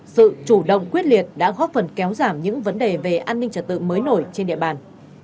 sự chủ động quyết liệt đã góp phần kéo giảm những vấn đề về an ninh trật tự mới nổi trên địa bàn